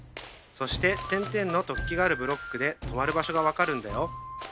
そして点々の突起があるブロックで終わる場所がわかるんだよ。